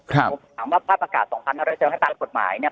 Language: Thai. ถามว่าผ้าประกาศ๒๕๐๐เสียงให้ตามกฎหมายเนี่ย